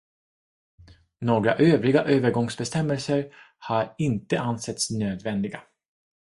Några övriga övergångsbestämmelser har inte ansetts nödvändiga.